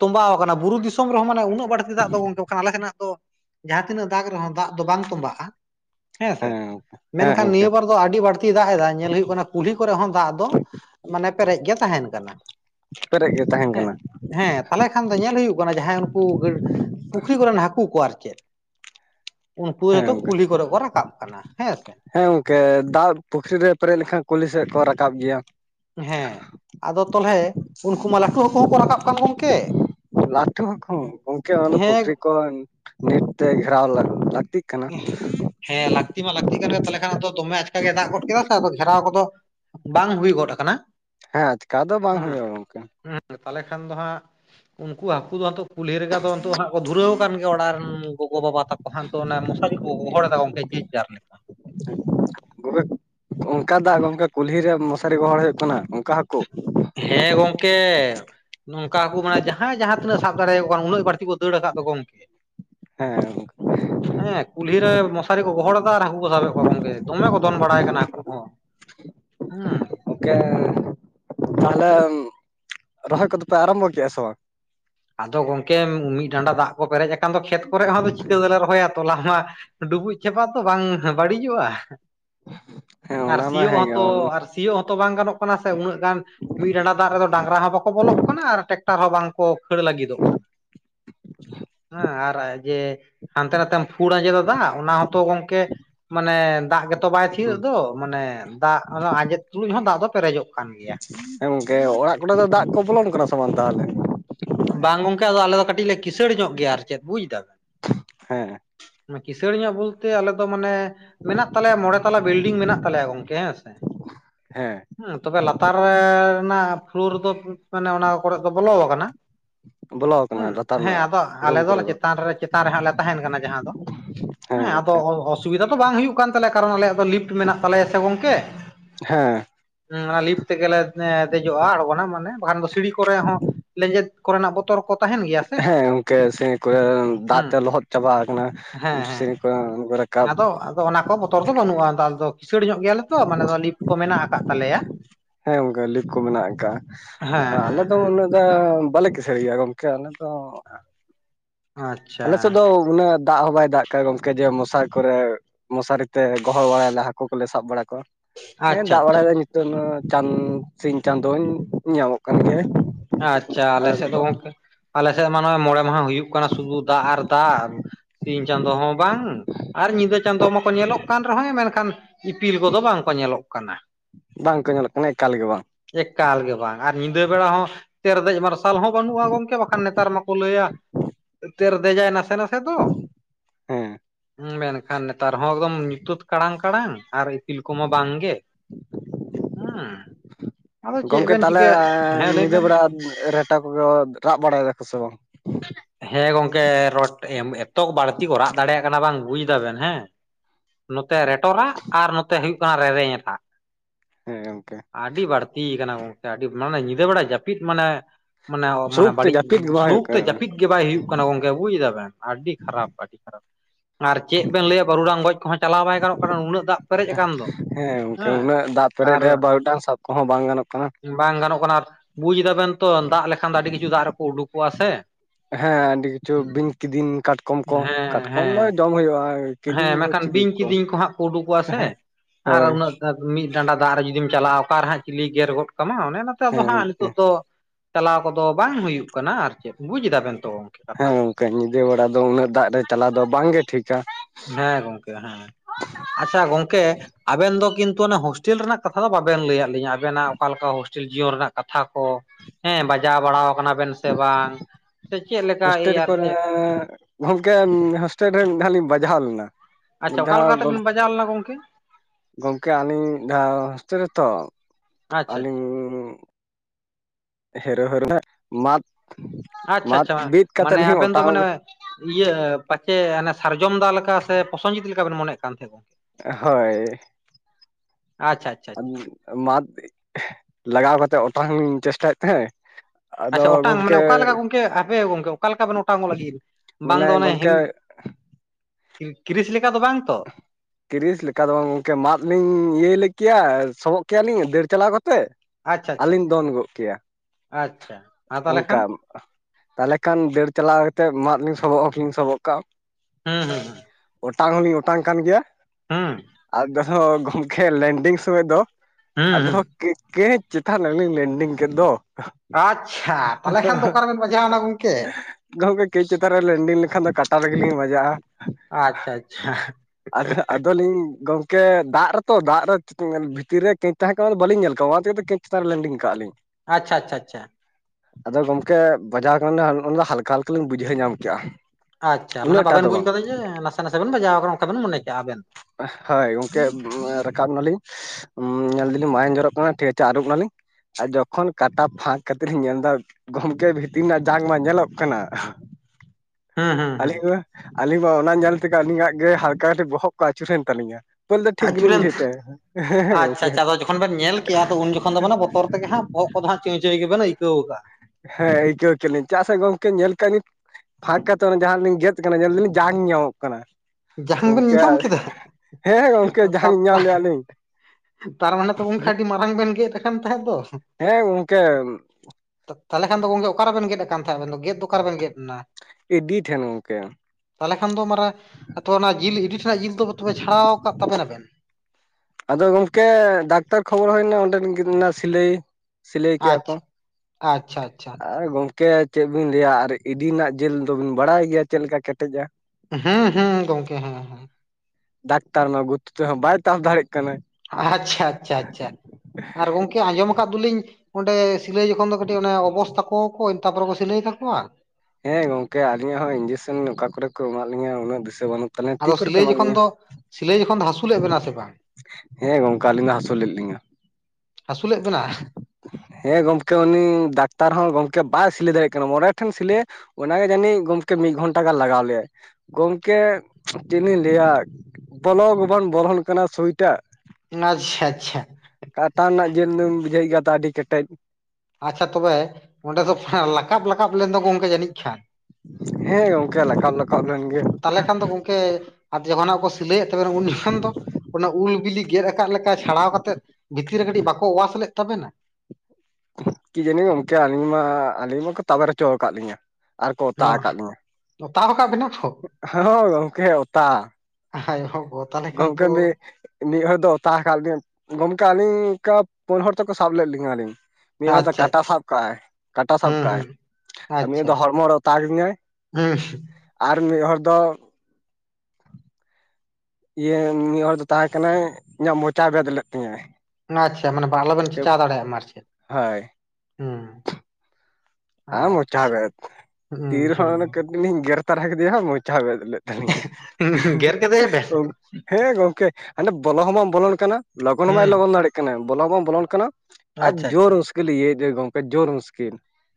ᱛᱚᱸᱵᱟᱣ ᱠᱟᱱᱟ ᱵᱩᱨᱩ ᱫᱤᱥᱚᱢ ᱨᱮᱦᱚᱸ ᱢᱟᱱᱮ ᱩᱱᱟᱹᱜ ᱵᱟᱹᱲᱛᱤ ᱫᱟᱜ ᱟᱫᱚ ᱜᱚᱢᱠᱮ ᱠᱷᱟᱱ ᱟᱞᱮ ᱥᱮᱱᱟᱜ ᱫᱚ ᱡᱟᱦᱟᱸ ᱛᱤᱱᱟᱹᱜ ᱫᱟᱜ ᱨᱮᱦᱚᱸ ᱫᱟᱜ ᱫᱚ ᱵᱟᱝ ᱛᱚᱸᱵᱟᱜᱼᱟ᱾ ᱦᱮᱸᱥᱮ ᱦᱮᱸ ᱜᱚᱝᱠᱮ ᱦᱮᱸ ᱢᱮᱱᱠᱷᱟᱱ ᱜᱚᱝᱠᱮ ᱱᱤᱭᱟᱹᱵᱟᱨ ᱫᱚ ᱟᱹᱰᱤ ᱵᱟᱹᱲᱛᱤᱭ ᱫᱟᱜ ᱮᱫᱟ ᱧᱮᱞ ᱦᱩᱭᱩᱜ ᱠᱟᱱᱟ᱾ ᱠᱩᱞᱦᱤ ᱠᱚᱨᱮ ᱦᱚᱸ ᱫᱟᱜ ᱫᱚ ᱢᱟᱱᱮ ᱯᱮᱨᱮᱡ ᱜᱮ ᱛᱟᱦᱮᱱ ᱠᱟᱱᱟ᱾ ᱯᱮᱨᱮᱡ ᱜᱮ ᱛᱟᱦᱮᱸᱱ ᱦᱮᱸ ᱠᱟᱱᱟ? ᱦᱮᱸ ᱛᱟᱦᱞᱮ ᱠᱷᱟᱱ ᱫᱚ ᱧᱮᱞ ᱦᱩᱭᱩᱜ ᱠᱟᱱᱟ ᱡᱟᱦᱟᱸᱭ ᱱᱩᱠᱩ ᱯᱩᱠᱷᱨᱤ ᱠᱚᱨᱮᱱ ᱦᱟᱹᱠᱩ ᱠᱚ ᱟᱨ ᱪᱮᱫ ᱩᱱᱠᱩ ᱦᱮᱸ ᱡᱷᱚᱛᱚ ᱜᱚᱝᱠᱮ ᱠᱩᱞᱦᱤ ᱠᱚᱨᱮ ᱠᱚ ᱨᱟᱠᱟᱵ ᱠᱟᱱᱟ ᱦᱮᱸᱥᱮ᱾ ᱠᱮ ᱫᱟᱜ ᱯᱩᱠᱷᱨᱤ ᱨᱮ ᱯᱮᱨᱮᱡ ᱞᱮᱠᱷᱟᱱ ᱠᱩᱞᱦᱤ ᱥᱮᱫ ᱠᱚ ᱨᱟᱠᱟᱵ ᱜᱮᱭᱟ᱾ ᱦᱮᱸ ᱟᱫᱚ ᱛᱚᱦᱞᱮ ᱩᱝᱠᱩ ᱢᱟ ᱞᱟᱹᱴᱩ ᱦᱟᱹᱠᱩ ᱦᱚᱸᱠᱚ ᱨᱟᱠᱟᱵ ᱠᱟᱱ ᱜᱚᱢᱠᱮ, ᱞᱟᱹᱴᱷᱩ ᱦᱟᱹᱠᱳ ᱜᱚᱝᱠᱮ ᱚᱱᱟ ᱯᱩᱠᱷᱨᱤ ᱦᱮᱸ ᱠᱚ ᱱᱮᱴ ᱛᱮ ᱜᱷᱮᱨᱟᱣ ᱞᱟᱠ ᱞᱟᱹᱠᱛᱤᱜ ᱠᱟᱱᱟ ᱦᱮᱸ ᱞᱟᱹᱠᱛᱤ ᱢᱟ ᱞᱟᱹᱠᱛᱤ ᱠᱟᱱ ᱜᱮᱭᱟ ᱛᱟᱦᱞᱮ ᱠᱷᱟᱱ ᱟᱫᱚ ᱫᱚᱢᱮ ᱟᱪᱠᱟ ᱜᱮ ᱫᱟᱜ ᱜᱚᱫ ᱠᱮᱫᱟ ᱥᱮ ᱟᱫᱚ ᱜᱷᱮᱨᱟᱣ ᱠᱚᱫᱚ ᱵᱟᱝ ᱦᱩᱭ ᱜᱚᱫ ᱠᱟᱱᱟ ᱦᱮᱸ ᱟᱪᱠᱟ ᱫᱚ ᱵᱟᱝ ᱦᱮᱸ ᱦᱩᱭᱩᱜᱼᱟ ᱜᱚᱝᱠᱮ ᱦᱩᱸ᱾ ᱛᱟᱦᱞᱮ ᱠᱷᱟᱱ ᱫᱚ ᱦᱟᱸᱜ ᱩᱱᱠᱩ ᱦᱟᱹᱠᱩ ᱫᱚ ᱛᱚ ᱠᱩᱞᱦᱤ ᱨᱮᱜᱮ ᱟᱫᱚ ᱱᱤᱛᱚᱜ ᱦᱟᱸᱜ ᱠᱚ ᱫᱷᱩᱨᱟᱹᱣ ᱠᱟᱱ ᱜᱮᱭᱟ ᱚᱲᱟᱜ ᱨᱮᱱ ᱜᱚᱜᱚᱼᱵᱟᱵᱟ ᱛᱟᱠᱚ ᱦᱟᱸᱜ ᱱᱤᱛᱚᱜ ᱚᱱᱮ ᱠᱚ ᱜᱚᱦᱚᱲ ᱫᱟ ᱜᱚᱢᱠᱮ ᱡᱮᱡ ᱡᱟᱨ ᱞᱮᱠᱟ᱾ [INAUDIBLE] ᱚᱝᱠᱟ ᱫᱟᱜ ᱜᱚᱝᱠᱮ ᱠᱩᱞᱦᱤ ᱨᱮ ᱢᱚᱥᱟᱨᱤ ᱜᱚᱦᱚᱲ ᱦᱩᱭᱩᱜ ᱠᱟᱱᱟ ᱚᱱᱠᱟ ᱦᱟᱹᱠᱩ? ᱦᱮᱸ ᱜᱚᱝᱠᱮ ᱱᱚᱝᱠᱟ ᱦᱟᱠᱚ ᱢᱟᱱᱮ ᱡᱟᱦᱟᱸᱭ ᱡᱟᱦᱟᱸ ᱱᱚᱸᱠᱟ ᱟᱵᱚ ᱢᱟᱱᱮ ᱡᱟᱦᱟᱸᱭ ᱡᱟᱦᱟᱸ ᱛᱤᱱᱟᱹᱜ ᱥᱟᱵ ᱫᱟᱲᱮᱭᱟᱠᱚ ᱠᱟᱱ ᱩᱱᱟᱹᱜ ᱜᱮ ᱵᱟᱹᱲᱛᱤ ᱠᱚ ᱫᱟᱹᱲ ᱟᱠᱟᱫ ᱫᱚ ᱜᱚᱝᱠᱮ᱾ ᱦᱮᱸ ᱜᱚᱝᱠᱮ [UNINTELLIGIBLE] ᱦᱮᱸ ᱠᱩᱞᱦᱤ ᱨᱮ ᱢᱚᱥᱟᱨᱤ ᱠᱚ ᱜᱚᱦᱚᱲ ᱦᱮᱸ ᱠᱩᱞᱦᱤ ᱨᱮ ᱢᱚᱥᱟᱨᱤ ᱠᱚ ᱜᱚᱦᱚᱲ ᱮᱫᱟ ᱟᱨ ᱦᱟᱹᱠᱩ ᱠᱚ ᱥᱟᱵ ᱮᱫ ᱠᱚᱣᱟ ᱜᱚᱝᱠᱮ, ᱫᱚᱢᱮ ᱠᱚ ᱫᱚᱱ ᱵᱟᱲᱟᱭ ᱠᱟᱱᱟ ᱦᱟᱹᱠᱩ ᱠᱚᱦᱚᱸ᱾ ᱦᱩᱸ᱾ ᱜᱚᱝᱠᱮ ᱛᱟᱦᱚᱞᱮᱢ ᱨᱚᱦᱚᱭ ᱠᱚᱫᱚ ᱯᱮ ᱟᱨᱚᱢᱵᱷᱚ ᱠᱮᱫᱼᱟ ᱥᱮ ᱵᱟᱝ? ᱟᱫᱚ ᱜᱚᱝᱠᱮ ᱢᱤᱫ ᱰᱟᱸᱰᱟ ᱫᱟᱜ ᱠᱚ ᱯᱮᱨᱮᱡ ᱟᱠᱟᱱ ᱫᱚ ᱠᱷᱮᱛ ᱠᱚᱨᱮᱜ ᱦᱚᱸ ᱪᱤᱠᱟᱹ ᱛᱮᱞᱮ ᱨᱚᱦᱚᱭᱟ ᱛᱚᱞᱟ ᱢᱟ ᱰᱩᱵᱩᱡ ᱪᱷᱟᱵᱟ ᱛᱚ ᱵᱟᱝ ᱦᱟᱸ ᱵᱟᱹᱲᱤᱡᱚᱜᱼᱟ ᱦᱮᱸ ᱟᱨ ᱚᱱᱟ ᱢᱟ ᱥᱤᱭᱳᱜ ᱦᱮᱸᱜᱮ ᱦᱚᱸᱛᱚ ᱦᱩᱸ ᱟᱨ ᱥᱤᱭᱳᱜ ᱦᱚᱸᱛᱚ ᱵᱟᱝ ᱜᱟᱱᱚᱜ ᱠᱟᱱᱟ ᱥᱮ ᱩᱱᱟᱹᱜ ᱜᱟᱱ ᱢᱤᱫ ᱰᱟᱸᱰᱟ ᱫᱟᱜ ᱨᱮᱫᱚ ᱰᱟᱺᱜᱽᱨᱟ ᱦᱚᱸ ᱵᱟᱠᱚ ᱵᱚᱞᱚᱜ ᱠᱟᱱᱟ ᱟᱨ ᱴᱮᱠᱴᱟᱨ ᱦᱚᱸ ᱵᱟᱝᱠᱚ ᱠᱷᱟᱹᱲ ᱞᱟᱹᱜᱤᱫᱚᱜ ᱠᱟᱱᱟ᱾ ᱦᱮᱸ ᱟᱨ ᱡᱮ ᱦᱟᱱᱛᱮ ᱱᱷᱟᱛᱮᱢ ᱯᱷᱩᱲ ᱟᱸᱡᱮᱫᱟ ᱫᱟᱜ ᱚᱱᱟ ᱦᱚᱸᱛᱚ ᱜᱚᱝᱠᱮ ᱢᱟᱱᱮ ᱫᱟᱜ ᱜᱮᱛᱚ ᱵᱟᱭ ᱛᱷᱤᱨ ᱮᱫ ᱫᱚ ᱢᱟᱱᱮ ᱫᱟᱜ ᱚᱱᱟ ᱟᱸᱡᱮᱫ ᱛᱩᱞᱩᱡ ᱦᱚᱸ ᱫᱟᱜ ᱫᱚ ᱯᱮᱨᱮᱡᱚᱜ ᱠᱟᱱ ᱜᱮᱭᱟ᱾ ᱦᱮᱸ ᱜᱚᱝᱠᱮ ᱚᱲᱟᱜ ᱠᱚᱨᱮ ᱫᱚ ᱫᱟᱜ ᱠᱚ ᱵᱚᱞᱚᱱ ᱠᱟᱱᱟ ᱥᱮ ᱵᱟᱝᱼᱟ, ᱛᱟᱦᱮᱞᱮ? ᱵᱟᱝ ᱜᱚᱝᱠᱮ ᱟᱫᱚ ᱟᱞᱮ ᱫᱚ ᱠᱟᱹᱴᱤᱡ ᱞᱮ ᱠᱤᱥᱟᱹᱲ ᱧᱚᱜ ᱜᱮᱭᱟ ᱟᱨ ᱪᱮᱫ ᱵᱩᱡ ᱮᱫᱟᱢ᱾ ᱦᱮᱸ, ᱠᱤᱥᱟᱹᱲ ᱧᱚᱜ ᱵᱩᱞ ᱛᱮ ᱟᱞᱮ ᱫᱚ ᱢᱟᱱᱮ ᱢᱮᱱᱟᱜ ᱛᱟᱞᱮᱭᱟ ᱢᱚᱬᱮ ᱛᱟᱞᱟ ᱵᱤᱞᱰᱤᱝ ᱢᱮᱱᱟᱜ ᱛᱟᱞᱮᱭᱟ ᱜᱚᱝᱠᱮ ᱦᱮᱸ ᱥᱮ, ᱦᱮᱸ ᱛᱚᱵᱮ ᱞᱟᱛᱟᱨ ᱨᱮᱻᱱᱟᱜ ᱯᱷᱚᱞᱳᱨ ᱫᱚ ᱢᱟᱱᱮ ᱚᱱᱟ ᱠᱚᱨᱮ ᱫᱚ ᱵᱚᱞᱚ ᱟᱠᱟᱱᱟ, ᱵᱚᱞᱚ ᱟᱠᱟᱱᱟ ᱦᱩᱸ, ᱞᱟᱛᱟᱨ ᱦᱮᱸ ᱨᱮᱱᱟᱜ ᱟᱫᱚᱜ ᱨᱩᱢ ᱟᱞᱮ ᱠᱚᱨᱮ ᱫᱚᱞᱮ ᱫᱚ ᱪᱮᱛᱟᱱ ᱨᱮ ᱪᱮᱛᱟᱱ ᱨᱮ ᱦᱟᱸᱜ ᱞᱮ ᱛᱟᱦᱮᱱ ᱠᱟᱱᱟ ᱡᱟᱦᱟᱸ ᱫᱚ᱾ ᱦᱮᱸ ᱟᱫᱚ ᱦᱚ ᱦᱚᱥ- ᱥᱩᱵᱤᱫᱷᱟ ᱫᱚ ᱵᱟᱝ ᱦᱩᱭᱩᱜ ᱠᱟᱱ ᱛᱟᱞᱮᱭᱟ ᱠᱟᱨᱚᱱ ᱟᱞᱮᱭᱟᱜ ᱫᱚ ᱞᱤᱯᱷᱴ ᱢᱮᱱᱟᱜ ᱛᱟᱞᱮᱭᱟ ᱥᱮ ᱜᱚᱝᱠᱮ᱾ ᱦᱮᱸ ᱮᱸ ᱞᱤᱯᱷ ᱛᱮᱜᱮᱞᱮ ᱮᱸ ᱫᱮᱡᱚᱜᱼᱟ ᱟᱬᱜᱚᱱᱟ ᱢᱟᱱᱮ ᱵᱟᱠᱷᱟᱱ ᱫᱚ ᱥᱤᱲᱤ ᱠᱚᱨᱮ ᱦᱚᱸ ᱞᱮᱸᱡᱮᱫ ᱠᱚᱨᱮᱱᱟᱜ ᱵᱚᱛᱚᱨ ᱠᱚ ᱛᱟᱦᱮᱱ ᱜᱮᱭᱟ ᱥᱮ ᱦᱮᱸ ᱜᱚᱝᱠᱮ ᱥᱤᱬᱤ ᱦᱮᱸ ᱠᱚᱨᱮᱻᱩᱸ ᱫᱟᱜ ᱦᱮᱸ ᱛᱮ ᱞᱚᱦᱚᱫ ᱪᱟᱵᱟ ᱦᱟᱠᱟᱱᱟ, ᱦᱮᱸ ᱦᱮᱸ ᱥᱤᱬᱤ ᱠᱚ ᱟᱬᱜᱚ ᱨᱟᱠᱟᱵ ᱟᱫᱚ ᱟᱫᱚ ᱚᱱᱟ ᱠᱚ ᱵᱚᱛᱚᱨ ᱫᱚ ᱵᱟᱹᱱᱩᱜᱼᱟ ᱛᱚ ᱚᱱᱟ ᱠᱚ ᱵᱚᱛᱚᱨ ᱫᱚ ᱵᱟᱹᱱᱩᱜᱼᱟ, ᱟᱫᱚ ᱟᱞᱮ ᱫᱚ ᱠᱤᱥᱟᱹᱲ ᱧᱚᱜ ᱜᱮᱭᱟᱞᱮ ᱛᱚ ᱢᱟᱱᱮ ᱫᱚ ᱞᱤᱯᱷᱴ ᱠᱚ ᱢᱮᱱᱟᱜ ᱟᱠᱟᱫ ᱛᱟᱞᱮᱭᱟ, ᱦᱮᱸ ᱜᱚᱝᱠᱮ ᱞᱤᱯᱷ ᱠᱚ ᱢᱮᱱᱟᱜ ᱟᱠᱟᱜᱼᱟ, ᱟᱸ ᱦᱮᱸ ᱟᱞᱮ ᱦᱮᱸ ᱦᱮᱸ ᱫᱚ ᱩᱱᱟᱹ ᱟᱸ ᱵᱟᱞᱮ ᱠᱤᱥᱟᱹᱲ ᱜᱮᱭᱟ ᱜᱚᱝᱠᱮ, ᱟᱞᱮ ᱫᱚ ᱦᱟᱸᱜ ᱟᱞᱮᱥᱮᱫ ᱫᱚ ᱩᱱᱟᱹᱜ ᱫᱟᱜ ᱦᱚᱸ ᱵᱟᱭ ᱫᱟᱜ ᱠᱟᱜᱼᱟ, ᱜᱚᱝᱠᱮ ᱡᱮ ᱢᱚᱥᱟᱨᱤ ᱠᱚᱨᱮ ᱢᱚᱥᱟᱨᱤ ᱛᱮ ᱜᱚᱦᱚᱲ ᱵᱟᱲᱟᱭ ᱞᱟᱦᱟ ᱦᱟᱹᱠᱩ ᱠᱚᱞᱮ ᱥᱟᱵ ᱵᱟᱲᱟ ᱠᱚᱣᱟ᱾ ᱮᱸ ᱟᱪᱪᱷᱟ ᱫᱟᱜ ᱵᱟᱲᱟᱭ ᱟᱪᱪᱷᱟ ᱮᱫᱟᱭ ᱱᱤᱛᱚᱜ ᱱᱚᱜᱼᱚᱭ ᱪᱟᱸᱫ ᱥᱤᱧ ᱪᱟᱸᱫᱳ ᱧᱟᱢᱚᱜ ᱠᱟᱱ ᱜᱮᱭᱟᱭ᱾ ᱟᱪᱪᱷᱟ ᱟᱞᱮ ᱥᱮᱫ ᱫᱚ ᱜᱚᱝᱠᱮ, ᱟᱞᱮᱥᱮᱫ ᱢᱟ ᱱᱚᱜᱼᱚᱭ ᱢᱚᱬᱮ ᱢᱟᱦᱟ ᱦᱩᱭᱩᱜ ᱠᱟᱱᱟ ᱥᱩᱫᱩ ᱫᱟᱜ ᱟᱨ ᱫᱟᱜ, ᱥᱤᱧ ᱪᱟᱸᱫᱳ ᱦᱚᱸ ᱵᱟᱝ, ᱟᱨ ᱧᱤᱫᱟᱹ ᱪᱟᱸᱫᱳ ᱢᱟᱠᱚ ᱧᱮᱞᱚᱜ ᱠᱟᱱ ᱨᱮᱦᱚᱸ ᱢᱮᱱᱠᱷᱟᱱ ᱤᱯᱤᱞ ᱠᱚᱫᱚ ᱵᱟᱝᱠᱚ ᱧᱮᱞᱚᱜ ᱠᱟᱱᱟ᱾ ᱵᱟᱝᱠᱚ ᱧᱮᱞᱚᱜ ᱠᱟᱱᱟ, ᱮᱠᱟᱞ ᱜᱮ ᱵᱟᱝ, ᱮᱠᱟᱞ ᱜᱮ ᱵᱟᱝ ᱟᱨ ᱧᱤᱫᱟᱹ ᱵᱮᱲᱟ ᱦᱚᱸ ᱛᱮᱨᱫᱮᱡ ᱢᱟᱨᱥᱼ ᱥᱟᱞ ᱦᱚᱸ ᱵᱟᱹᱱᱩᱜᱼᱟ ᱜᱚᱝᱠᱮ ᱵᱟᱠᱷᱟᱱ ᱱᱮᱛᱟᱨ ᱢᱟᱠᱚ ᱞᱟᱹᱭᱟ ᱛᱮᱨᱫᱮᱡᱼᱟᱭ ᱱᱟᱥᱮ ᱱᱟᱥ- ᱥᱮ ᱫᱚ ᱦᱮᱸ ᱢᱮᱱᱠᱷᱟᱱ ᱱᱮᱛᱟᱨ ᱦᱚᱸ ᱮᱠᱫᱚᱢ ᱧᱩᱛᱟᱹᱛ ᱠᱟᱲᱟᱝ ᱠᱟᱲᱟᱝ ᱟᱨᱼᱼ ᱯᱤᱞ ᱠᱚᱢᱟ ᱵᱟᱝ ᱜᱮ, ᱦᱩᱸ ᱟᱫᱚ ᱪᱮᱜ ᱵᱮᱱ ᱪᱤᱠᱟᱹᱭᱟ, ᱦᱮᱸ ᱞᱟᱹᱭ ᱵᱮᱱ ᱮᱨ ᱮᱴᱟ ᱠᱚᱜᱮ ᱚᱻ ᱨᱟᱜ ᱵᱟᱲᱟ ᱭᱮᱫᱟ ᱠᱚᱥᱮ ᱵᱟᱝ? ᱦᱮᱸ ᱜᱚᱝᱠᱮ ᱨᱚᱴᱮ ᱮᱢ ᱮᱛᱚ ᱵᱟᱹᱲᱛᱤ ᱠᱚ ᱨᱟᱜ ᱫᱟᱲᱮᱭᱟᱜ ᱠᱟᱱᱟ ᱵᱟᱝ, ᱵᱩᱡ ᱮᱫᱟ ᱵᱮᱱ ᱦᱮᱸ? ᱱᱚᱛᱮ ᱨᱮᱴᱚ ᱨᱟᱜ ᱟᱨ ᱱᱚᱛᱮ ᱦᱩᱭᱩᱜ ᱠᱟᱱᱟ ᱨᱮᱨᱮᱧ ᱨᱟᱜ, ᱦᱮᱸ ᱜᱚᱢᱠᱮ᱾ ᱟᱰᱤ ᱵᱟᱲᱛᱤ ᱭᱟᱠᱟᱱᱟ ᱜᱚᱝᱠᱮ ᱟᱹᱰᱤ ᱢᱟᱱᱮ ᱧᱤᱫᱟᱹ ᱵᱮᱲᱟ ᱡᱟᱹᱯᱤᱫ ᱢᱟᱱᱮ ᱢᱟᱱᱮ ᱚ ᱢᱟᱱᱮ ᱥᱩᱠ ᱛᱮ ᱵᱟᱹᱲᱤᱡ ᱡᱟᱹᱯᱤᱫ ᱜᱮ ᱵᱟᱝ ᱦᱩᱭᱩᱜ ᱥᱩᱠ ᱛᱮ ᱠᱟᱱᱟ ᱡᱟᱹᱯᱤᱫ ᱜᱮ ᱵᱟᱭ ᱦᱩᱭᱩᱜ ᱠᱟᱱᱟ ᱜᱚᱝᱠᱮ ᱵᱩᱡ ᱫᱟ ᱵᱮᱱ ᱟᱹᱰᱤ ᱠᱷᱟᱨᱟᱯ ᱟᱹᱰᱤ ᱠᱷᱟᱨᱟᱯ ᱟᱨ ᱪᱮᱫ ᱵᱮᱱ ᱞᱟᱹᱭᱟ ᱵᱟᱹᱨᱩᱰᱟᱝ ᱜᱚᱡ ᱠᱚᱦᱚᱸ ᱪᱟᱞᱟᱣ ᱵᱟᱭ ᱜᱟᱱᱚᱜ ᱠᱟᱱᱟ ᱱᱩᱱᱟᱹᱜ ᱫᱟᱜ ᱯᱮᱨᱮᱡ ᱟᱠᱟᱱ ᱫᱚ᱾ ᱦᱮᱸ ᱜᱚᱝᱠᱮ ᱩᱱᱟᱹᱜ ᱫᱟᱜ ᱯᱮᱨᱮ ᱟᱨ ᱨᱮ ᱵᱟᱨ ᱠᱚᱦᱚᱸ ᱵᱟᱝ ᱜᱟᱱᱚᱜ ᱠᱟᱱᱟ᱾ ᱵᱟᱝ ᱜᱟᱱᱚᱜ ᱠᱟᱱᱟ ᱵᱩᱡ ᱮᱫᱟ ᱵᱮᱱ ᱛᱚ ᱫᱟᱜ ᱞᱮᱠᱷᱟᱱ ᱫᱚ ᱟᱹᱰᱤ ᱠᱤᱪᱷᱩ ᱫᱟᱜ ᱨᱮᱠᱚ ᱩᱰᱩᱠᱚᱜᱼᱟ ᱥᱮ᱾ ᱦᱮᱸ ᱟᱹᱰᱤ ᱠᱤᱪᱷᱩ ᱵᱤᱧ ᱠᱤᱫᱤᱱ ᱠᱟᱴᱠᱚᱢ ᱠᱚ ᱦᱮᱸ ᱠᱟᱴᱠᱚᱢ ᱫᱚ ᱦᱮᱸ ᱡᱚᱢ ᱦᱩᱭᱩᱜᱼᱟ᱾ ᱦᱮᱸ ᱠᱤᱫᱤᱧ ᱫᱚ ᱢᱮᱱᱠᱷᱟᱱ ᱪᱤᱠᱟᱹ ᱵᱤᱧ ᱠᱤᱫᱤᱧ ᱠᱚ ᱦᱟᱸᱜ ᱠᱚ ᱩᱰᱩᱠᱚᱜᱣᱟ ᱥᱮ ᱟᱨ ᱦᱳᱭ ᱩᱱᱟᱹᱜ ᱢᱤᱫ ᱰᱟᱸᱰᱟ ᱫᱟᱜ ᱨᱮ ᱡᱩᱫᱤᱢ ᱪᱟᱞᱟᱜᱼᱟ ᱚᱠᱟᱨᱮ ᱦᱟᱸᱜ ᱪᱤᱞᱤ ᱜᱮᱨ ᱜᱚᱫ ᱠᱟᱢᱟ ᱚᱱᱮ ᱚᱱᱟᱛᱮ ᱟᱫᱚ ᱦᱮᱸ ᱦᱟᱸᱜ ᱜᱚᱝᱠᱮ ᱱᱤᱛᱚᱜ ᱫᱚ ᱪᱟᱞᱟᱣ ᱠᱚᱫᱚ ᱵᱟᱝ ᱦᱩᱭᱩᱜ ᱠᱟᱱᱟ ᱟᱨ ᱪᱮᱫ᱾ ᱵᱩᱡ ᱫᱟᱵᱮᱱ ᱛᱚ ᱜᱚᱝᱠᱮ ᱠᱟᱛᱷᱟ ᱦᱮᱸ ᱠᱚᱫᱚ ᱜᱚᱝᱠᱮ ᱧᱤᱫᱟᱹ ᱵᱮᱲᱟ ᱫᱚ ᱩᱱᱟᱹᱜ ᱫᱟᱜ ᱨᱮ ᱪᱟᱞᱟᱣ ᱫᱚ ᱵᱟᱝᱜᱮ ᱴᱷᱤᱠᱟ᱾ ᱦᱮᱸ ᱜᱚᱝᱠᱮ ᱦᱮᱸ ᱟᱪᱷᱟ ᱜᱚᱝᱠᱮ ᱟᱵᱮᱱ ᱫᱚ ᱠᱤᱱᱛᱩ ᱚᱱᱟ ᱦᱳᱥᱴᱮᱞ ᱨᱮᱱᱟᱜ ᱠᱟᱛᱷᱟ ᱠᱟᱛᱷᱟ ᱫᱚ ᱵᱟᱵᱮᱱ ᱞᱟᱹᱭᱟᱫ ᱞᱤᱧᱟᱹ ᱟᱵᱮᱱᱟᱜ ᱚᱠᱟ ᱞᱮᱠᱟ ᱦᱳᱥᱴᱮᱞ ᱡᱤᱭᱚᱱ ᱨᱮᱱᱟᱜ ᱠᱟᱛᱷᱟ ᱠᱚ ᱦᱮᱸ ᱵᱟᱡᱟᱣ ᱵᱟᱲᱟᱣ ᱟᱠᱟᱱᱟ᱾ ᱵᱮ ᱥᱮ ᱵᱟᱝ ᱥᱮ ᱪᱮᱫ ᱞᱮᱠᱟ ᱟᱨ ᱪᱮᱫ ᱟᱨ ᱜᱚᱢᱠᱮ ᱦᱳᱥᱴᱮᱞ ᱨᱮ ᱢᱤᱫ ᱫᱷᱟᱣ ᱞᱤᱧ ᱵᱟᱡᱷᱟᱣ ᱞᱮᱱᱟ᱾ ᱢᱤᱫ ᱟᱪᱷᱟ ᱚᱠᱟ ᱫᱷᱟᱣ ᱞᱮᱠᱟᱛᱮᱵᱮᱱ ᱵᱟᱡᱟᱣ ᱞᱮᱱᱟ ᱜᱚᱝᱠᱮ? ᱜᱚᱝᱠᱮ ᱟᱹᱞᱤᱧ ᱢᱤᱫ ᱫᱷᱟᱣ ᱦᱳᱥᱴᱮᱞ ᱨᱮᱛᱚ ᱟᱪᱪᱷᱟ ᱟᱪᱪᱷᱟ ᱟᱹᱞᱤᱧ ᱦᱮᱨᱳ ᱦᱮᱨᱳ ᱢᱟᱛ ᱟᱪᱷᱟ ᱟᱪᱷᱟ ᱢᱟᱱᱮ ᱟᱵᱮᱱ ᱫᱚ ᱢᱟᱱᱮ ᱤᱭᱟᱹ ᱯᱟᱪᱮᱫᱮ ᱥᱟᱨᱡᱚᱢ ᱫᱟ ᱞᱮᱠᱟ ᱥᱮ ᱯᱚᱥᱚᱱᱡᱤᱛ ᱞᱮᱠᱟ ᱵᱮᱱ ᱢᱚᱱᱮᱭᱮᱫ ᱠᱟᱱ ᱛᱟᱦᱮᱸᱫ ᱜᱚᱝᱠᱮ᱾ ᱦᱳᱭ ᱟᱪᱷᱟ ᱟᱪᱷᱟᱷᱟ ᱢᱟᱫ ᱞᱟᱜᱟᱣ ᱠᱟᱛᱮᱜ ᱚᱴᱟᱝᱧ ᱪᱮᱥᱴᱟᱭᱮᱫ ᱛᱟᱦᱮᱸᱫ᱾ ᱟᱫᱚ ᱟᱪᱷᱟ ᱚᱴᱟᱝ ᱢᱟᱱᱮ ᱜᱚᱢᱠᱮ ᱚᱠᱟ ᱞᱮᱠᱟ ᱜᱚᱝᱠᱮ ᱦᱟᱯᱮ ᱜᱚᱝᱠᱮ ᱚᱠᱟ ᱞᱮᱠᱟ ᱵᱮᱱ ᱚᱴᱟᱝ ᱚᱜ ᱞᱟᱹᱜᱤᱫ ᱵᱟᱝ ᱢᱟᱱᱮ ᱫᱚ ᱚᱱᱮ ᱜᱚᱢᱠᱮ ᱠᱨᱤᱥ ᱞᱮᱠᱟ ᱫᱚ ᱵᱟᱝ ᱛᱚ ᱠᱤᱨᱤᱥ ᱞᱮᱠᱟ ᱫᱚ ᱵᱟᱝ ᱜᱚᱢᱠᱮ ᱢᱟᱫ ᱞᱤᱧ ᱤᱭᱟᱹᱭ ᱞᱮ ᱠᱮᱭᱟ ᱥᱚᱵᱚᱜ ᱠᱮᱭᱟᱞᱤᱧ ᱫᱟᱹᱲ ᱪᱟᱞᱟᱣ ᱠᱟᱛᱮᱫ᱾ ᱟᱪᱪᱷᱟ ᱟᱪᱪᱷᱟ ᱟᱹᱞᱤᱧ ᱫᱚᱱ ᱜᱚᱜ ᱠᱮᱭᱟ ᱟᱪᱪᱷᱟ ᱟᱨ ᱛᱟᱦᱚᱞᱮ ᱠᱷᱟᱱ ᱚᱱᱠᱟ᱾ ᱛᱟᱦᱚᱞᱮ ᱠᱷᱟᱱ ᱫᱟᱹᱲ ᱪᱟᱞᱟᱣ ᱠᱟᱛᱮᱫ ᱢᱟᱫ ᱞᱤᱧ ᱥᱚᱵᱚᱜ ᱞᱤᱧ ᱥᱚᱵᱚᱜ ᱠᱟᱜᱼᱟ ᱦᱮᱸ ᱦᱮᱸ ᱚᱴᱟᱝ ᱦᱚᱸᱞᱤᱧ ᱚᱴᱟᱝ ᱠᱟᱱ ᱜᱮᱭᱟ ᱦᱮᱸ ᱟᱫᱚ ᱜᱚᱝᱠᱮ ᱞᱮᱱᱰᱤᱝ ᱥᱚᱢᱚᱭ ᱫᱚ ᱦᱩᱸ ᱟᱫᱚ ᱦᱩᱸ ᱠᱟ. ᱡ ᱪᱮᱛᱟᱱ ᱧᱚᱜ ᱞᱤᱧ ᱞᱮᱱᱰᱤᱝ ᱠᱮᱫ ᱫᱚ᱾ ᱟᱪᱷᱟ ᱛᱟᱦᱚᱞᱮ ᱠᱷᱟᱱ ᱫᱚ ᱚᱠᱟᱨᱮᱵᱮᱱ ᱵᱟᱡᱷᱟ ᱮᱱᱟ ᱜᱚᱢᱠᱮ᱾ ᱜᱚᱢᱠᱮ ᱠᱟᱹᱡ ᱪᱮᱛᱟᱱ ᱨᱮ ᱞᱮᱱᱰᱤᱝ ᱞᱮᱠᱷᱟᱱ ᱫᱚ ᱠᱟᱴᱟ ᱨᱮᱜᱮᱤᱧ ᱵᱟᱡᱟᱜᱼᱟ᱾ ᱟᱪᱪᱷᱟ ᱟᱪᱪᱷᱟ ᱟᱫᱚ ᱟᱫᱚᱞᱤᱧ ᱫᱟᱜ ᱨᱮᱛᱚ ᱫᱟᱜ ᱨᱮ, ᱵᱷᱤᱛᱤᱨ ᱨᱮ ᱠᱮᱪ ᱛᱟᱦᱮᱸ ᱠᱟᱱᱟ ᱵᱟᱹᱞᱤᱧ ᱧᱮᱞ ᱠᱟᱜᱣᱟ ᱚᱱᱟ ᱛᱮᱜᱮ ᱛᱚ ᱠᱮᱪ ᱪᱮᱛᱟᱱ ᱨᱮ ᱞᱮᱱᱰᱤᱝ ᱠᱟᱜ ᱞᱤᱧ᱾ ᱟᱪᱪᱷᱟ ᱟᱪᱪᱷᱟ ᱟᱪᱪᱷᱟ ᱟᱫᱚ ᱜᱚᱢᱠᱮ ᱵᱟᱡᱟᱣ ᱠᱟᱱ ᱞᱤᱧ ᱚᱱᱟ ᱫᱚ ᱦᱟᱞᱠᱟ ᱦᱟᱞᱠᱟ ᱞᱤᱧ ᱵᱩᱡᱷᱟᱹᱣ ᱧᱟᱢ ᱠᱮᱜᱼᱟ᱾ ᱟᱪᱪᱷᱟ ᱢᱟᱱᱮ ᱩᱱᱟᱹᱜ ᱴᱟ ᱵᱟᱵᱮᱱ ᱫᱚ ᱵᱩᱡ ᱵᱟᱝ ᱠᱟᱫᱟ ᱡᱮ ᱱᱟᱥᱮ ᱱᱟᱥᱮ ᱵᱮᱱ ᱵᱟᱡᱟᱣ ᱟᱠᱟᱱᱟ ᱚᱱᱠᱟ ᱵᱮᱱ ᱢᱚᱱᱮ ᱠᱮᱫᱼᱟ ᱟᱵᱮᱱ᱾ ᱦᱳᱭ ᱜᱚᱝᱠᱮ ᱨᱟᱠᱟᱵ ᱮᱱᱟᱞᱤᱧ ᱧᱮᱞ ᱫᱟᱞᱤᱧ ᱢᱟᱭᱟᱝ ᱡᱚᱨᱚᱜ ᱠᱟᱱᱟ ᱴᱷᱤᱠ ᱟᱪᱷᱮ ᱟᱹᱨᱩᱵ ᱮᱱᱟᱞᱤᱧ᱾ ᱟᱨ ᱡᱚᱠᱷᱚᱱ ᱠᱟᱴᱟ ᱯᱷᱟᱸᱠ ᱠᱟᱛᱮ ᱤᱧ ᱧᱮᱞ ᱮᱫᱟ ᱜᱚᱝᱠᱮ ᱵᱷᱤᱛᱤᱨ ᱨᱮᱱᱟᱜ ᱡᱟᱝ ᱢᱟ ᱧᱮᱞᱚᱜ ᱠᱟᱱᱟ᱾ [INAUDIBLE] ᱦᱩᱸ ᱟᱹᱞᱤᱧ ᱢᱟ ᱟᱹᱞᱤᱧ ᱢᱟ ᱚᱱᱟ ᱧᱮᱞ ᱛᱮᱜᱮ ᱟᱹᱞᱤᱧᱟᱜ ᱜᱮ ᱦᱟᱞᱠᱟ ᱠᱟᱹᱴᱤᱡ ᱵᱚᱦᱚᱜ ᱠᱚ ᱟᱹᱪᱩᱨᱮᱱ ᱛᱟᱹᱞᱤᱧᱟ᱾ ᱫᱚ [UNINTELLIGIBLE] ᱴᱷᱤᱠ ᱜᱮᱞᱤᱧ ᱟᱹᱪᱩᱨᱮᱱ ᱵᱩᱡᱷᱟᱹᱣᱮᱜ ᱛᱟᱦᱮᱸ ᱟᱪᱪᱷᱟ ᱜᱚᱝᱠᱮ ᱟᱪᱪᱷᱟ ᱟᱫᱚ ᱡᱚᱠᱷᱚᱱ ᱵᱮᱱ ᱧᱮᱞ ᱠᱮᱜᱼᱟ ᱪᱚᱸᱭ ᱪᱚᱸᱭ ᱜᱮᱵᱮᱱ ᱟᱹᱣᱠᱟᱹᱣ ᱠᱟᱜᱼᱟ᱾ ᱦᱮᱸ ᱤᱠᱳ ᱪᱤᱞᱤ ᱪᱟᱥᱮ ᱜᱚᱝᱠᱮ ᱧᱮᱞ ᱠᱟᱤᱧ ᱯᱷᱟᱸᱠ ᱠᱟᱛᱮ ᱚᱱᱟ ᱡᱟᱦᱟᱸ ᱞᱤᱧ ᱜᱮᱫ ᱠᱟᱱᱟ ᱧᱮᱞᱫᱟᱞᱤᱧ ᱡᱟᱝ ᱧᱟᱢᱚᱜ ᱠᱟᱱᱟ᱾ ᱡᱟᱝ ᱵᱮᱱ ᱜᱚᱝᱠᱮ ᱧᱮᱧᱟᱢ ᱠᱮᱫᱟ ᱦᱮᱸ ᱜᱚᱝᱠᱮ ᱡᱟᱝ ᱧᱟᱢ ᱞᱮᱜᱼᱟ ᱞᱤᱧ᱾ ᱛᱟᱨ ᱢᱟᱱᱮ ᱛᱚ ᱜᱚᱝᱠᱮ ᱟᱹᱰᱤ ᱢᱟᱨᱟᱝ ᱵᱮᱱ ᱜᱮᱫ ᱟᱠᱟᱱ ᱛᱟᱦᱮᱸᱜ ᱫᱚ᱾ ᱦᱮᱸ ᱜᱚᱝᱠᱮ ᱛᱟᱦᱞᱮ ᱠᱷᱟᱱ ᱫᱚ ᱜᱚᱝᱠᱮ ᱚᱠᱟᱨᱮᱵᱮᱱ ᱜᱮᱫ ᱟᱠᱟᱱ ᱛᱟᱦᱮᱸᱜ ᱟᱵᱮᱱ ᱫᱚ ᱜᱮᱫ ᱫᱚ ᱚᱠᱟ ᱨᱮᱵᱮᱱ ᱜᱮᱫ ᱱᱟ? ᱤᱰᱤ ᱴᱷᱮᱱ ᱜᱚᱝᱠᱮ ᱛᱟᱦᱞᱮ ᱠᱷᱟᱱ ᱫᱚ ᱢᱟᱨᱟ ᱟ ᱛᱚ ᱚᱱᱟ ᱡᱤᱞ ᱤᱰᱤ ᱴᱷᱮᱱᱟᱜ ᱡᱤᱞ ᱫᱚ ᱛᱚᱵᱮ ᱪᱷᱟᱲᱟᱣ ᱟᱠᱟᱫ ᱛᱟᱵᱮᱱᱟᱵᱮᱱ? ᱟᱫᱚ ᱜᱚᱝᱠᱮ ᱰᱟᱠᱛᱟᱨ ᱠᱷᱚᱵᱚᱨ ᱦᱩᱭᱱᱟ ᱚᱸᱰᱮᱱ [UNINTELLIGIBLE] ᱥᱤᱞᱟᱹᱭ ᱥᱤᱞᱟᱹᱭ ᱠᱮᱜᱼᱟ ᱠᱚ ᱟᱪᱪᱷᱟ ᱟᱪᱪᱷᱟ ᱟᱪᱪᱷᱟ ᱟᱨ ᱜᱚᱝ ᱠᱮ ᱪᱮᱜ ᱵᱤᱱ ᱞᱟᱹᱭᱟ ᱟᱨ ᱤᱰᱤ ᱨᱮᱱᱟᱜ ᱡᱤᱞ ᱫᱚᱵᱤᱱ ᱵᱟᱲᱟᱭ ᱜᱮᱭᱟ ᱪᱮᱜ ᱞᱮᱠᱟ ᱠᱮᱴᱮᱡ-ᱟ᱾ ᱦᱮᱸ ᱦᱮᱸ ᱜᱚᱝᱠᱮ ᱦᱮᱸ ᱦᱮᱸ ᱰᱟᱠᱛᱟᱨ ᱢᱟ ᱜᱩᱛᱩ ᱛᱮᱦᱚᱸ ᱵᱟᱭ ᱛᱟᱵ ᱫᱟᱲᱮᱜ ᱠᱟᱱᱟ᱾ ᱟᱪᱪᱷᱟ ᱟᱪᱪᱷᱟ ᱟᱪᱪᱷᱟ ᱟᱨ ᱜᱚᱝᱠᱮ ᱟᱸᱡᱚᱢ ᱠᱟᱜ ᱫᱚᱞᱤᱧ ᱚᱸᱰᱮ ᱥᱤᱞᱟᱹᱭ ᱡᱚᱠᱷᱚᱱ ᱫᱚ ᱠᱟᱹᱴᱤᱡ ᱚᱱᱮ ᱚᱵᱚᱥ ᱛᱟᱠᱚᱣᱟ ᱠᱚ ᱛᱟᱯᱚᱨᱮ ᱠᱚ ᱥᱤᱞᱟᱹᱭ ᱛᱟᱠᱚᱣᱟ? ᱦᱮᱸ ᱜᱚᱝᱠᱮ ᱟᱹᱞᱤᱧᱟᱜ ᱦᱚᱸ ᱤᱧᱡᱤᱥᱮᱱ ᱚᱠᱟ ᱠᱚᱨᱮ ᱠᱚ ᱮᱢᱟᱜ ᱞᱤᱧᱟᱹ ᱩᱱᱟᱹᱜ ᱫᱤᱥᱟᱹ ᱵᱟᱹᱱᱩᱜ ᱛᱟᱹᱞᱤᱧᱟ ᱛᱤ ᱟᱫᱚ ᱠᱚᱨᱮ ᱠᱚ ᱥᱤᱞᱟᱹᱭ ᱮᱢᱟᱜ ᱡᱚᱠᱷᱚᱱ ᱞᱤᱧᱟᱹ ᱫᱚ ᱥᱤᱞᱟᱹᱭ ᱡᱚᱠᱷᱚᱱ ᱫᱚ ᱦᱟᱹᱥᱩ ᱞᱮᱜ ᱵᱮᱱᱟ ᱥᱮ ᱵᱟᱝ? ᱦᱮᱸ ᱜᱚᱝᱠᱟ ᱟᱹᱞᱤᱧ ᱫᱚ ᱦᱟᱹᱥᱩ ᱞᱮᱫ ᱞᱤᱧᱟᱹ᱾ ᱦᱟᱹᱥᱩ ᱞᱮᱫ ᱵᱮᱱᱟ? ᱦᱮᱸ ᱜᱚᱝᱠᱮ ᱩᱱᱤ ᱰᱟᱠᱛᱟᱨ ᱦᱚᱸ ᱜᱚᱝᱠᱮ ᱵᱟᱭ ᱥᱤᱞᱟᱹᱭ ᱫᱟᱲᱮᱜ ᱠᱟᱱᱟ ᱢᱚᱬᱮ ᱴᱷᱮᱱ ᱥᱤᱞᱟᱹᱭ ᱚᱱᱟᱜᱮ ᱡᱟᱹᱱᱤᱡ ᱜᱚᱝᱠᱮ ᱢᱤᱜ ᱜᱷᱚᱱᱴᱟ ᱜᱟᱱ ᱞᱟᱜᱟᱣ ᱞᱮᱣᱟᱭ ᱜᱚᱝᱠᱮ ᱪᱮᱫ ᱞᱤᱧ ᱞᱟᱹᱭᱟ ᱵᱚᱞᱚ ᱜᱚᱵᱟᱝ ᱵᱚᱞᱚᱱ ᱠᱟᱱᱟ ᱥᱩᱭ ᱴᱟᱜ᱾ ᱱᱟᱪᱪᱷᱟ ᱟᱪᱪᱷᱟ ᱠᱟᱴᱟ ᱨᱮᱱᱟᱜ ᱡᱤᱞ ᱫᱚᱵᱮᱱ ᱵᱩᱡᱷᱟᱹᱣᱮᱜ ᱜᱮᱭᱟ ᱛᱚ ᱟᱹᱰᱤ ᱠᱮᱴᱮᱡ᱾ ᱟᱪᱪᱷᱟ ᱛᱚᱵᱮ ᱚᱸᱰᱮ ᱫᱚ ᱯᱷᱟᱸ ᱞᱟᱠᱟᱵ ᱞᱟᱠᱟᱵ ᱞᱮᱱᱫᱚ ᱜᱚᱝᱠᱮ ᱡᱟᱹᱱᱤᱡ ᱠᱷᱟᱱ? ᱦᱮᱸ ᱜᱚᱝᱠᱮ ᱞᱟᱠᱟᱵ ᱞᱟᱠᱟᱵ ᱞᱮᱱ ᱜᱮᱭᱟ ᱦᱮᱸ᱾ ᱠᱮ ᱟᱫᱚ ᱡᱚᱠᱷᱚᱱᱟᱜ ᱠᱚ ᱥᱤᱞᱟᱹᱭᱮᱜ ᱛᱟᱵᱮᱱᱟ ᱩᱱ ᱡᱚᱠᱷᱚᱱ ᱫᱚ ᱚᱱᱟ ᱩᱞ ᱵᱤᱞᱤ ᱜᱮᱫ ᱟᱠᱟᱫ ᱞᱮᱠᱟ ᱪᱷᱟᱲᱟᱣ ᱠᱟᱛᱮᱫ ᱵᱷᱤᱛᱤᱨ ᱨᱮ ᱠᱟᱹᱴᱤᱡ ᱵᱟᱠᱚ ᱚᱣᱟᱥ ᱞᱮᱫ ᱛᱟᱵᱮᱱᱟ? ᱠᱤ ᱡᱟᱹᱱᱤᱧ ᱜᱚᱝᱠᱮ ᱟᱹᱞᱤᱧ ᱢᱟ ᱟᱹᱞᱤᱧ ᱢᱟᱠᱚ ᱛᱟᱵᱮᱨ ᱚᱪᱚᱣ ᱠᱟᱜ ᱞᱤᱧᱟᱹ ᱟᱨ ᱠᱚ ᱚᱛᱟᱣ ᱠᱟᱜ ᱞᱤᱧᱟᱹ᱾ ᱚᱛᱟᱣ ᱠᱟᱜ ᱵᱮᱱᱟ ᱠᱚ? ᱦᱚᱸ ᱜᱚᱝᱠᱮ ᱚᱛᱟ᱾ ᱦᱟᱭᱚᱜᱚ᱾ ᱜᱚᱝᱠᱮ ᱢᱤ ᱢᱤᱜ ᱦᱚᱲ ᱫᱚ ᱚᱛᱟᱣ ᱠᱟᱜ ᱞᱤᱧᱟᱹ ᱜᱚᱢᱠᱮ ᱟᱹᱞᱤᱧ ᱚᱝᱠᱟ ᱯᱳᱱ ᱦᱚᱲ ᱛᱮᱠᱚ ᱥᱟᱵ ᱞᱮᱜ ᱞᱤᱧᱟᱹ ᱟᱞᱤᱧ᱾ ᱢᱤᱜ ᱦᱚᱲ ᱫᱚ ᱟᱪᱪᱷᱟ ᱠᱟᱴᱟ ᱟᱪᱪᱷᱟ ᱥᱟᱵ ᱠᱟᱜᱼᱟᱭ ᱠᱟᱴᱟ ᱥᱟᱵ ᱦᱩᱸ ᱠᱟᱜᱼᱟᱭ᱾ ᱦᱩᱸ ᱟᱨ ᱢᱤᱜ ᱟᱪᱪᱷᱟ ᱫᱚ ᱦᱚᱲᱢᱚ ᱨᱮᱭ ᱚᱛᱟᱣ ᱠᱟᱫᱤᱧᱟᱭ ᱦᱩᱸ ᱟᱨ ᱢᱤᱜ ᱦᱚᱲ ᱫᱚ ᱤᱭᱟᱹ ᱢᱤᱜ ᱦᱚᱲ ᱫᱚ ᱛᱟᱦᱮᱸ ᱠᱟᱱᱟᱭ ᱤᱧᱟᱹᱜ ᱢᱚᱪᱟ ᱵᱮᱫ ᱞᱮᱫ ᱛᱤᱧᱟᱭ᱾ ᱚᱱᱟ ᱟᱪᱪᱷᱟ ᱢᱟᱱᱮ ᱵᱟᱝᱞᱚ ᱵᱮᱱ ᱪᱮᱪᱟᱣ ᱫᱟᱲᱮᱭᱟᱜ ᱢᱟ ᱟᱨ ᱪᱮᱫ᱾ ᱚᱭ ᱦᱩᱸ ᱟᱸ ᱢᱚᱪᱟ ᱟᱪᱪᱷᱟ ᱵᱮᱫ ᱦᱩᱸ ᱛᱤ ᱨᱮᱦᱚᱸ ᱦᱩᱸ ᱚᱱᱮ ᱠᱟᱹᱴᱤᱡ ᱞᱤᱧ ᱜᱮᱨ ᱛᱟᱨᱟ ᱠᱮᱫᱮᱭᱟ ᱢᱚᱪᱟ ᱵᱮᱫ ᱞᱮᱫ ᱛᱷᱟᱹᱞᱤᱧᱟ ᱜᱮᱨ ᱠᱮᱫᱮᱭᱟ ᱵᱮᱱ ᱚ ᱦᱮᱸ ᱜᱚᱝᱠᱮ ᱦᱟᱱᱮ ᱵᱚᱞᱚ ᱦᱚᱸ ᱵᱟᱝ ᱵᱚᱞᱚᱱ ᱠᱟᱱᱟ ᱞᱚᱜᱚᱱ ᱦᱚᱸ ᱵᱟᱭ ᱦᱩᱸ ᱞᱚᱜᱚᱱ ᱫᱟᱲᱮᱜ ᱠᱟᱱᱟ ᱵᱚᱞᱚ ᱵᱟᱝ ᱵᱚᱞᱚᱱ ᱠᱟᱱᱟ ᱟᱨ ᱟᱪᱪᱷᱟ ᱡᱳᱨ ᱟᱪᱪᱷᱟ ᱢᱩᱥᱠᱤᱞ ᱤᱭᱟᱹᱭ ᱫᱟᱭ ᱜᱚᱝᱠᱮ ᱡᱳᱨ ᱢᱩᱥᱠᱤᱞ᱾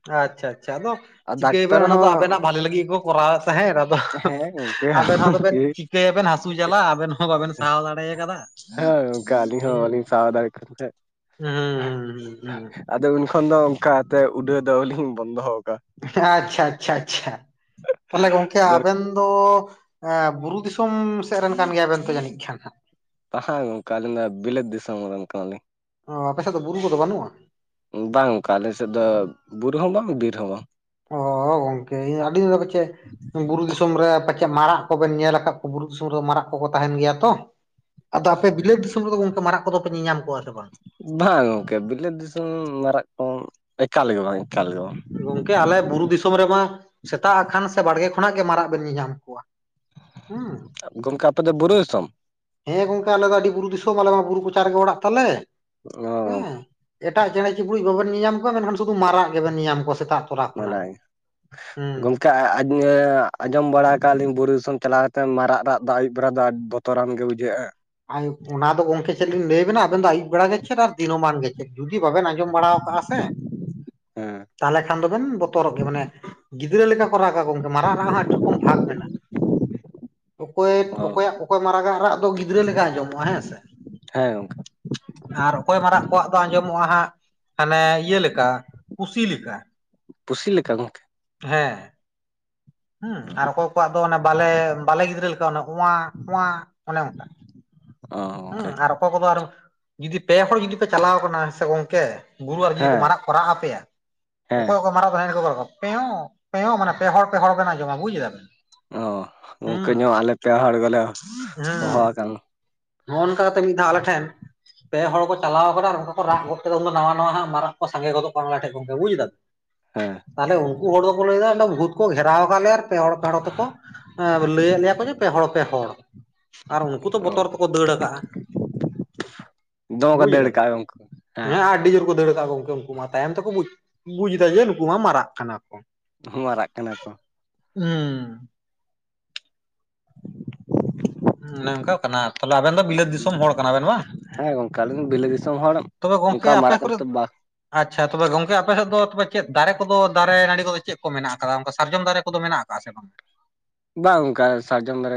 ᱟᱪᱪᱷᱟ ᱟᱪᱪᱷᱟ, ᱟᱫᱚ ᱟᱨ ᱰᱟᱠᱛᱟᱨ ᱪᱤᱠᱟᱹᱭᱟᱵᱮᱱ ᱚᱱᱟ ᱫᱚ ᱦᱚᱸ ᱟᱵᱮᱱᱟᱜ ᱵᱷᱟᱞᱤ ᱞᱟᱹᱜᱤᱫ ᱜᱮᱠᱚ ᱠᱚᱨᱟᱣᱮᱫ ᱛᱟᱦᱮᱸᱫ ᱟᱫᱚ ᱦᱮᱸ ᱜᱚᱝᱠᱮ ᱟᱵᱮᱱ ᱦᱚᱸ ᱟᱫᱚᱱᱵᱮᱱ ᱪᱤᱠᱟᱹᱭᱟᱵᱮᱱ ᱦᱟᱹᱥᱩ ᱡᱟᱞᱟ ᱟᱵᱮᱱ ᱦᱚᱸ ᱵᱟᱵᱮᱱ ᱥᱟᱦᱟᱣ ᱫᱟᱲᱮᱭ ᱟᱠᱟᱫᱟ᱾ ᱦᱮᱸ ᱜᱚᱝᱠᱮ ᱟᱞᱤᱧ ᱦᱩᱸ ᱦᱚᱸ ᱵᱟᱞᱤᱧ ᱥᱟᱦᱟᱣ ᱫᱟᱲᱮᱭᱟᱜ ᱠᱟᱱ ᱠᱷᱟᱡ᱾ ᱦᱩᱸ ᱦᱩᱸ ᱦᱩᱸ ᱦᱩᱸ᱾ ᱟᱫᱚ ᱩᱱ ᱠᱷᱚᱱ ᱫᱚ ᱚᱱᱠᱟ ᱛᱮ ᱩᱰᱟᱹᱣ ᱫᱚᱞᱤᱧ ᱵᱚᱱᱫᱚᱣ ᱠᱟᱜ-ᱟ᱾ ᱟᱪᱪᱷᱟ ᱟᱪᱪᱷᱟ ᱟᱪᱪᱷᱟ ᱛᱟᱦᱞᱮ ᱜᱚᱝᱠᱮ ᱫᱚᱨ ᱟᱵᱮᱱ ᱫᱚ ᱮᱸ ᱵᱩᱨᱩ ᱫᱤᱥᱚᱢ ᱥᱮᱜ ᱨᱮᱱ ᱠᱟᱱ ᱜᱮᱭᱟ ᱵᱮᱱ ᱛᱚ ᱡᱟᱹᱱᱤᱡ ᱠᱷᱟᱱ ᱦᱟᱸᱜ? ᱦᱳᱭ ᱜᱚᱝᱠᱮ ᱟᱹᱞᱤᱧ ᱫᱚ ᱵᱤᱞᱟᱹᱛ ᱫᱤᱥᱚᱢ ᱨᱮᱱ ᱠᱟᱱᱟ ᱞᱤᱧ᱾ ᱚ ᱟᱯᱮ ᱥᱮᱜ ᱫᱚ ᱵᱩᱨᱩ ᱠᱚᱫᱚ ᱵᱟᱱᱩᱜ-ᱟ? ᱵᱟᱝ ᱚᱝᱠᱟ ᱟᱞᱮ ᱥᱮᱜ ᱫᱚ ᱵᱩᱨᱩ ᱦᱚᱸ ᱵᱟᱝ ᱵᱤᱨ ᱦᱚᱸ ᱵᱟᱝ᱾ ᱚ ᱜᱚᱝᱠᱮ ᱤᱧ [UNINTELLIGIBLE] ᱫᱚ ᱯᱟᱪᱮ ᱵᱩᱨᱩ ᱫᱤᱥ ᱫᱤᱥᱚᱢ ᱨᱮ ᱯᱟᱪᱮᱜ ᱢᱟᱨᱟᱜ ᱠᱚ ᱵᱮᱱ ᱧᱮᱞ ᱟᱠᱟᱜ ᱠᱚ, ᱵᱩᱨᱩ ᱫᱤᱥᱚᱢ ᱨᱮ ᱢᱟᱨᱟᱜ ᱠᱚᱠᱚ ᱛᱟᱦᱮᱱ ᱜᱮᱭᱟ ᱛᱚ᱾ ᱟᱫᱚ ᱟᱯᱮ ᱵᱤᱞᱟᱹᱛ ᱫᱤᱥᱚᱢ ᱨᱮᱫᱚ ᱜᱚᱝᱠᱮ ᱢᱟᱨᱟᱜ ᱠᱚᱫᱚ ᱯᱮ ᱧᱮᱧᱟᱢ ᱠᱚᱣᱟ ᱥᱮ ᱵᱟᱝ? ᱵᱟᱝ ᱜᱚᱝᱠᱮ ᱵᱤᱞᱟᱹᱛ ᱫᱤᱥᱚᱢ ᱢᱟᱨᱟᱜ ᱠᱚᱢ ᱮᱠᱟᱞ ᱜᱮ ᱵᱟᱝ ᱮᱠᱟᱞ ᱜᱮ ᱵᱟᱝ᱾ ᱜᱚᱝᱠᱮ ᱟᱞᱮ ᱵᱩᱨᱩ ᱫᱤᱥᱚᱢ ᱨᱮᱢᱟ ᱥᱮᱛᱟᱜ ᱟᱠᱷᱟᱱ ᱥᱮ ᱵᱟᱲᱜᱮ ᱠᱷᱚᱱᱟᱜ ᱜᱮ ᱢᱟᱨᱟᱜ ᱵᱮᱱ ᱧᱮ ᱧᱟᱢ ᱠᱚᱣᱟ᱾ ᱦᱩᱸ᱾ ᱟᱵ ᱜᱚᱝᱠᱮ ᱟᱯᱮ ᱫᱚ ᱵᱩᱨᱩ ᱫᱤᱥᱚᱢ? ᱦᱮᱸ ᱜᱚᱝᱠᱮ ᱟᱞᱮ ᱫᱚ ᱟᱹᱰᱤ ᱵᱩᱨᱩ ᱫᱤᱥᱚᱢ ᱟᱞᱮ ᱢᱟ ᱵᱩᱨᱩ ᱠᱚᱪᱟ ᱨᱮᱜᱮ ᱚᱲᱟᱜ ᱛᱟᱞᱮ ᱦᱮᱸ᱾ ᱚ ᱮᱴᱟᱜ ᱪᱮᱬᱮ ᱪᱤᱯᱲᱩᱡ‌ ᱵᱟᱵᱮᱱ ᱧᱟᱢ ᱠᱚᱣᱟ ᱢᱮᱱᱠᱷᱟᱱ ᱥᱩᱫᱩ ᱢᱟᱨᱟᱜ ᱜᱮᱵᱮᱱ ᱧᱮ ᱧᱟᱢ ᱠᱚᱣᱟ ᱥᱮᱛᱟᱜ ᱛᱚᱨᱟ ᱠᱷᱚᱱᱟᱜ ᱵᱟᱞᱟᱭ, ᱦᱩᱸ ᱜᱚᱝᱠᱮ ᱟ ᱟᱡ ᱡᱮ ᱟᱸᱡᱚᱢ ᱵᱟᱲᱟ ᱟᱠᱟᱜ-ᱟ ᱞᱤᱧ ᱵᱩᱨᱩ ᱫᱤᱥᱚᱢ ᱪᱟᱞᱟᱣ ᱠᱟᱛᱮᱜ ᱢᱟᱨᱟᱜ ᱨᱟᱜ ᱫᱚ ᱟᱭᱩᱵ ᱵᱮᱨᱟ ᱫᱚ ᱟᱰ ᱵᱚᱛᱚᱨᱟᱱ ᱜᱮ ᱵᱩᱡᱷᱟᱹᱜ-ᱟ᱾ ᱟᱞ ᱚᱱᱟ ᱫᱚ ᱜᱚᱝᱠᱮ ᱪᱮᱫ ᱞᱤᱧ ᱞᱟᱹᱭᱟᱵᱮᱱᱟ ᱟᱵᱮᱱ ᱫᱚ ᱟᱭᱩᱵ ᱵᱮᱲᱟ ᱜᱮ ᱪᱷᱮᱫ ᱟᱨ ᱫᱤᱱᱳᱢᱟᱱ ᱜᱮ ᱪᱮᱫ᱾ ᱡᱩᱫᱤ ᱵᱟᱵᱮᱱ ᱟᱸᱡᱚᱢ ᱵᱟᱲᱟᱣ ᱠᱟᱜ-ᱟ ᱥᱮ ᱦᱮᱸ ᱛᱟᱦᱞᱮ ᱠᱷᱟᱱ ᱫᱚ ᱵᱮᱱ ᱵᱚᱛᱚᱨᱚᱜ ᱜᱮᱭᱟ ᱢᱟᱱᱮ᱾ ᱜᱤᱫᱽᱨᱟᱹ ᱞᱮᱠᱟ ᱠᱚ ᱨᱟᱜᱟ ᱜᱚᱝᱠᱮ, ᱢᱟᱨᱟᱜ ᱨᱟᱜ ᱦᱚᱸ ᱟᱹᱰᱤ ᱨᱚᱠᱚᱢ ᱵᱷᱟᱜᱽ ᱢᱮᱱᱟᱜ-ᱟ᱾ ᱚᱠᱚᱭ ᱚ ᱚᱠᱚᱭᱟᱜ ᱚᱠᱚᱭ ᱢᱟᱨᱟᱜᱟᱜ ᱫᱚ ᱜᱤᱫᱽᱨᱟᱹ ᱞᱮᱠᱟ ᱟᱸᱡᱚᱢᱚᱜ-ᱟ ᱦᱮᱸ ᱥᱮ᱾ ᱦᱮᱸ ᱜᱚᱝᱠᱮ ᱟᱨ ᱚᱠᱚᱭ ᱢᱟᱨᱟᱜ ᱠᱚᱣᱟᱜ ᱫᱚ ᱟᱸᱡᱚᱢᱚᱜ-ᱟ ᱦᱟᱸᱜ᱾ ᱦᱟᱱᱮ ᱤᱭᱟᱹ ᱞᱮᱠᱟ ᱯᱩᱥᱤ ᱞᱮᱠᱟ᱾ ᱯᱩᱥᱤ ᱞᱮᱠᱟ ᱜᱚᱝᱠᱮ᱾ ᱦᱮᱸ᱾ ᱦᱩᱸ ᱟᱨ ᱚᱠᱚᱭ ᱠᱚᱣᱟᱜ ᱫᱚ ᱚᱱᱮ ᱵᱟᱞᱮ, ᱵᱟᱞᱮ ᱜᱤᱫᱽᱨᱟᱹ ᱞᱮᱠᱟ ᱚᱱᱮ ᱠᱚᱶᱟ ᱠᱚᱶᱟ ᱚᱱᱮ ᱚᱝᱠᱟ᱾ ᱚ ᱜᱚᱝᱠᱮ᱾ ᱚᱠᱚᱭ ᱠᱚᱠᱚ ᱟᱨ ᱡᱩᱫᱤ ᱯᱮ ᱦᱚᱲ ᱡᱩᱫᱤ ᱯᱮ ᱪᱟᱞᱟᱣ ᱠᱟᱱᱟ ᱦᱮᱸ ᱥᱮ ᱜᱚᱝᱠᱮ᱾ ᱜᱩᱨᱩ ᱟᱨ ᱡᱩᱫᱤ ᱠᱚ ᱦᱮᱸ ᱢᱟᱨᱟᱜ ᱠᱚ ᱨᱟᱜ ᱟᱯᱮᱭᱟ, ᱦᱮᱸ ᱚᱠᱚᱭ ᱠᱚ ᱢᱟᱨᱟᱜ ᱠᱚ ᱮᱱᱮᱡ ᱠᱚ ᱧᱮᱞ ᱵᱟᱲᱟᱭᱟ ᱠᱟᱫᱟ᱾ ᱯᱮᱭᱚᱸ ᱯᱮᱭᱚᱸ ᱢᱟᱱᱮ ᱯᱮᱦᱚᱲ ᱯᱮᱦᱚᱲ ᱵᱮᱱ ᱟᱸᱡᱚᱢᱟ ᱵᱩᱡᱽ ᱫᱟᱵᱮᱱ᱾ ᱚ, ᱜᱚᱝᱠᱮ ᱱᱚᱣᱟ ᱟᱞᱮ ᱯᱮ ᱦᱚᱲ ᱜᱮᱞᱮ ᱦᱚᱦᱚᱣᱟᱠᱟᱱ ᱱᱚᱜ-ᱚ ᱱᱚᱝᱠᱟ ᱠᱟᱛᱮᱜ ᱢᱤᱫ ᱫᱷᱟᱣ ᱟᱞᱮ ᱴᱷᱮᱱ ᱯᱮ ᱦᱚᱲ ᱠᱚ ᱪᱟᱞᱟᱣ ᱠᱟᱱᱟ ᱟᱨ ᱚᱱᱠᱟ ᱠᱚ ᱨᱟᱜ ᱜᱚᱫ ᱠᱮᱫᱟ ᱩᱱ ᱫᱚ ᱱᱟᱣᱟ ᱱᱟᱣᱟ ᱦᱟᱸᱜ ᱢᱟᱨᱟᱜ ᱠᱚ ᱥᱟᱸᱜᱮ ᱜᱚᱫᱚᱜ ᱠᱟᱱᱟ ᱟᱞᱮ‌ ᱴᱷᱮᱜ ᱜᱚᱝᱠᱮ ᱵᱩᱡᱽ ᱫᱟᱢ᱾ ᱦᱮᱸ᱾ ᱛᱟᱦᱞᱮ ᱩᱱᱠᱩ ᱦᱚᱲ ᱫᱚᱠᱚ ᱞᱟᱹᱭ ᱫᱟ ᱚᱸᱰᱮ ᱵᱷᱩᱛ ᱠᱚ ᱜᱷᱮᱨᱟᱣ ᱠᱟᱜ ᱞᱮᱭᱟ ᱟᱨ ᱯᱮ ᱦᱚᱲ ᱯᱮ ᱦᱚᱲ ᱛᱮᱠᱚ ᱦᱮᱸ ᱟᱫᱚ ᱞᱟᱹᱭᱮᱜ ᱞᱮᱭᱟ ᱠᱚ ᱡᱮ ᱯᱮ ᱦᱚᱲ ᱯᱮ ᱦᱚᱲ ᱟᱨ ᱩᱱᱠᱩ ᱫᱚ ᱚ ᱵᱚᱛᱚᱨ ᱫᱟᱹᱲᱟ ᱠᱟᱜ-ᱟ ᱫᱚᱢᱮ ᱠᱚ ᱵᱩᱡᱽ ᱫᱟᱹᱲ ᱫᱟᱵᱮᱱ ᱠᱟᱜᱼᱟ ᱜᱚᱝᱠᱮ ᱦᱮᱸ ᱟᱰᱤ ᱡᱳᱨ ᱠᱚ ᱫᱟᱹᱲ ᱠᱟᱜ-ᱟ ᱜᱚᱝᱠᱮ ᱩᱱᱠᱩ ᱢᱟ ᱛᱟᱭᱚᱢ ᱛᱮᱠᱚ ᱵᱩᱡᱽ, ᱵᱩᱡᱽᱫᱟ ᱡᱮ ᱱᱩᱠᱩ ᱢᱟ ᱢᱟᱨᱟᱜ ᱠᱟᱱᱟ ᱠᱚ᱾ ᱦᱚᱸ ᱢᱟᱨᱟᱜ ᱠᱟᱱᱟ ᱠᱚ᱾ ᱩᱸ ᱚᱱᱮ ᱚᱝᱠᱟ ᱠᱟᱱᱟ ᱛᱟᱦᱚᱞᱮ ᱟᱵᱮᱱ ᱫᱚ ᱵᱤᱞᱟᱹᱛ ᱫᱤᱥᱚᱢ ᱦᱚᱲ ᱠᱟᱱᱟ ᱵᱮᱱ ᱵᱟᱝ? ᱦᱮᱸ ᱜᱚᱝᱠᱮ ᱟᱞᱤᱧ ᱫᱚ ᱵᱤᱞᱟᱹᱛ ᱫᱤᱥᱚᱢ ᱦᱚᱲ ᱛᱚᱵᱮ ᱜᱚᱝᱠᱮ ᱚᱱᱠᱟ ᱟᱯᱮ ᱢᱟᱨᱟᱜ ᱠᱟᱛᱮ ᱠᱚᱨᱮ ᱫᱚ ᱵᱟᱝ᱾ ᱟᱪᱪᱷᱟ ᱛᱚᱵᱮ ᱜᱚᱝᱠᱮ, ᱟᱯᱮ ᱥᱮᱫ ᱫᱚ ᱛᱮ ᱪᱮᱫ ᱫᱟᱨᱮ ᱠᱚᱫᱚ ᱫᱟᱨᱮ ᱱᱟᱲᱤ ᱠᱚᱫᱚ ᱪᱮᱫ ᱠᱚ ᱢᱮᱱᱟᱜ ᱟᱠᱟᱫᱟ᱾ ᱚᱱᱠᱟ ᱥᱟᱨᱡᱚᱢ ᱫᱟᱨᱮ ᱠᱚᱫᱚ ᱦᱮᱱᱟᱜᱼᱟ ᱾ ᱟᱥᱮ ᱵᱟᱝ? ᱵᱟᱝ ᱜᱚᱝᱠᱮ, ᱥᱟᱨᱡᱚᱢ ᱫᱟᱨᱮ